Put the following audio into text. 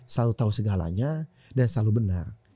selalu tahu segalanya dan selalu benar